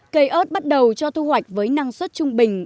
cây ớt bắt đầu cho thu hoạch với năng suất trung bình